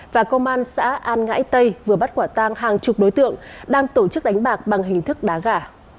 và công an xã an ngãi tây vừa bắt quả tang hàng chục đối tượng đang tổ chức đánh bạc bằng hình thức đá gà